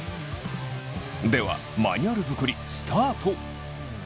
ではマニュアル作りスタート！